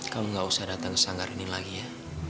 kamu gak usah datang ke sanggar ini lagi ya